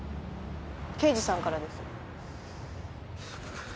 刑事さんからです。